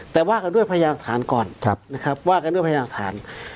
แต่ว่ากันด้วยพยานฐานก่อนนะครับว่ากันด้วยพยานฐาน